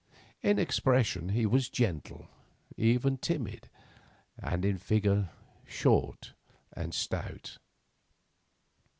In expression he was gentle, even timid, and in figure short and stout.